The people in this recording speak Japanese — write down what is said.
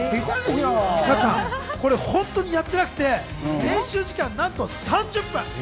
これ本当にやってなくて、練習時間、なんと３０分。